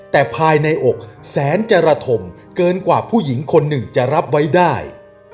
แต่ภายในอกแสนจรฐมเกินกว่าผู้หญิงคนหนึ่งจะรับไว้ได้